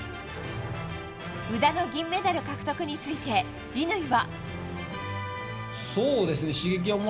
宇田の銀メダル獲得について乾は。